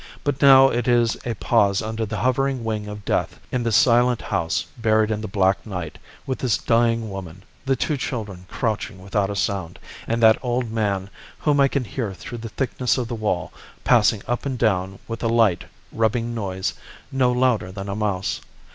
But now it is a pause under the hovering wing of death in this silent house buried in the black night, with this dying woman, the two children crouching without a sound, and that old man whom I can hear through the thickness of the wall passing up and down with a light rubbing noise no louder than a mouse.